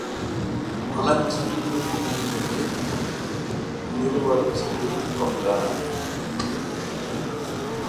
மணச்சடங்கு முடிந்தது இருவரும் சந்தித்துக் கொண்டனர்.